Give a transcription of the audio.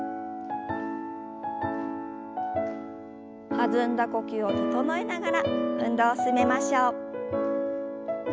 弾んだ呼吸を整えながら運動を進めましょう。